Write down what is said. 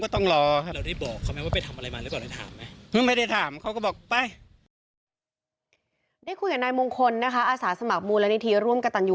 ทุกคนนะคะอาสาสมัครมูลณิธีร่วมกระตั่งอยู่